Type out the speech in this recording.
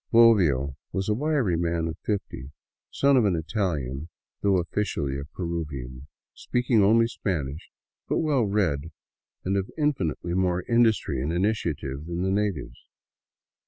Bobbio was a wiry man of fifty, son of an Italian, though officially a Peruvian, speaking only Spanish, but well read, and of infinitely more industry and initiative than the natives.